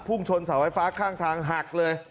พุ่งชนสระไฟฟ้าข้างทางหักเลย